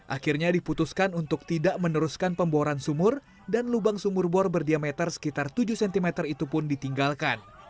akhirnya diputuskan untuk tidak meneruskan pemboran sumur dan lubang sumur bor berdiameter sekitar tujuh cm itu pun ditinggalkan